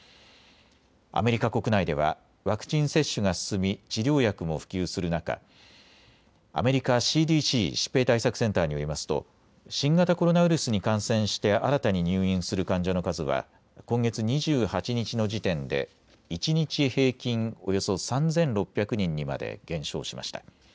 アメリカ国内ではワクチン接種が進み、治療薬も普及する中、アメリカＣＤＣ・疾病対策センターによりますと新型コロナウイルスに感染して新たに入院する患者の数は今月２８日の時点で一日平均およそ３６００人にまで減少しました。